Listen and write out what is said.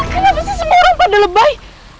kenapa sih semua orang pada lebay